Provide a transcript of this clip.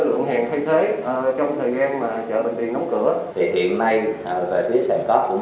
nguồn hẹn thay thế trong thời gian mà chợ bệnh viện đóng cửa thì hiện nay về phía sở công thương cũng